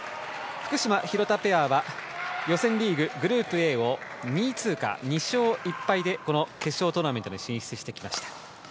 福島、廣田ペア予選リーググループＡを２位通過２勝１敗で決勝トーナメントに進出してきました。